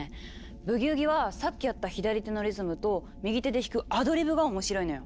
ブギウギはさっきやった左手のリズムと右手で弾く「アドリブ」が面白いのよ。